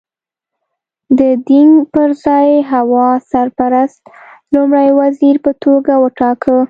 د دینګ پر ځای هوا سرپرست لومړی وزیر په توګه وټاکه.